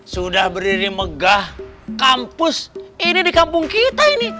sudah berdiri megah kampus ini di kampung kita ini